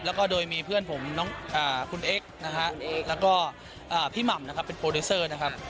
แล้วก็โดยมีเพื่อนผมน้องคุณเอ็กซ์นะฮะแล้วก็พี่หม่ำนะครับเป็นโปรดิวเซอร์นะครับ